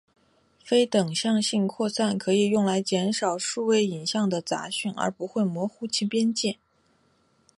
非等向性扩散可以用来减少数位影像的杂讯而不会模糊其边界。